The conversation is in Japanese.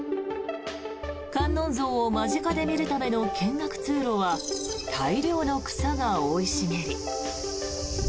観音像を間近で見るための見学通路は大量の草が生い茂り。